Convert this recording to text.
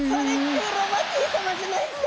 クロマティさまじゃないですか！